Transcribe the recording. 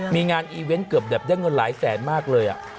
มีงานอีเวนต์เกือบแบบได้เงินหลายแสนมากเลย